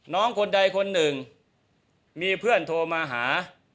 คนใดคนหนึ่งมีเพื่อนโทรมาหา